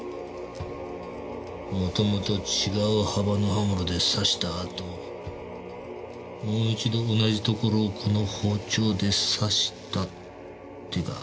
元々違う幅の刃物で刺したあともう一度同じところをこの包丁で刺したってか。